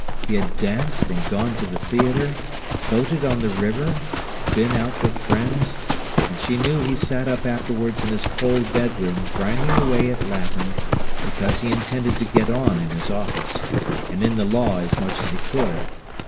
He had danced and gone to the theatre, boated on the river, been out with friends; and she knew he sat up afterwards in his cold bedroom grinding away at Latin, because he intended to get on in his office, and in the law as much as he could.